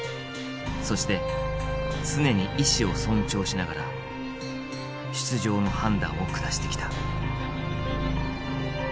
そして常に意思を尊重しながら出場の判断を下してきた。